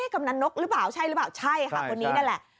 กำนันนกหรือเปล่าใช่คนนี้นั่นแหละ